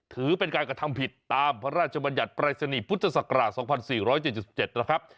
ถือเป็นการกระทำผิดตามพระราชบัญญัติปรายศนีย์พุทธศักราช๒๔๗๗นะครับ